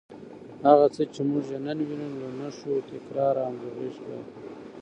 هغه څه چې موږ یې نن وینو، له نښو، تکرار او همغږۍ ښکاري